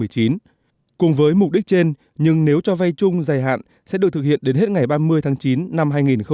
cùng với mục đích trên nhưng nếu cho vai chung dài hạn sẽ được thực hiện đến hết ngày ba mươi tháng chín năm hai nghìn một mươi chín